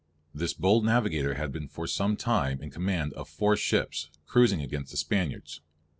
This bold navigator had been for some time in command of four ships, cruising against the Spaniards.